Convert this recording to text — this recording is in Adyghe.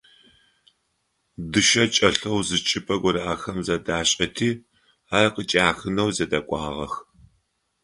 Дышъэ чӀэлъэу зы чӀыпӀэ горэ ахэм зэдашӀэти, ар къычӀахынэу зэдэкӀуагъэх.